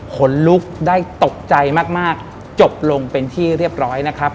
ขนลุกได้ตกใจมากจบลงเป็นที่เรียบร้อยนะครับ